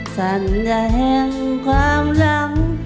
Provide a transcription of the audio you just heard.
สัญญาเห็นความรัง